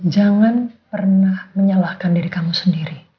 jangan pernah menyalahkan diri kamu sendiri